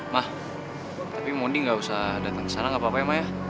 ma tapi mondi gak usah datang kesana gak apa apa ya ma ya